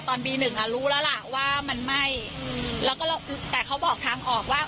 ตอนปีหนึ่งอ่ะรู้แล้วล่ะว่ามันไหม้แล้วก็แต่เขาบอกทางออกว่า